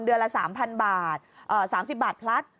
เดือนละ๓๐๐๐บาท๓๐บาทพลัด